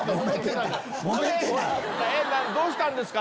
どうしたんですか？